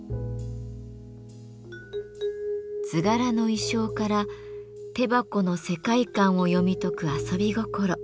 図柄の意匠から手箱の世界観を読み解く遊び心。